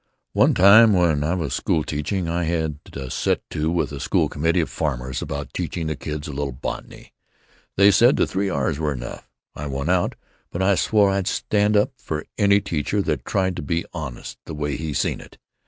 "One time when I was school teaching I had a set to with a school committee of farmers about teaching the kids a little botany. They said the three R's were enough. I won out, but I swore I'd stand up for any teacher that tried to be honest the way he seen it.